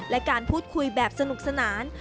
และการพูดคุยแบบสนุกสนาน